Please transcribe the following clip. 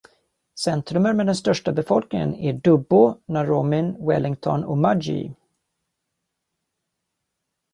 Centrumen med den största befolkningen är Dubbo, Narromine, Wellington och Mudgee.